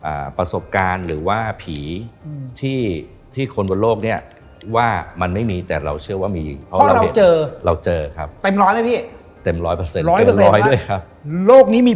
พมันว่าประสบการณ์หรือว่าผีที่ที่คนบนโลกเนี่ยว่ามันไม่มีแต่เราเชื่อว่ามี